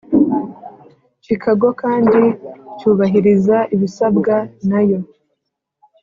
Chicago kandi cyubahiriza ibisabwa n ayo